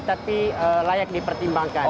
tapi layak dipertimbangkan